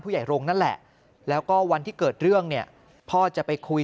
โรงนั่นแหละแล้วก็วันที่เกิดเรื่องเนี่ยพ่อจะไปคุย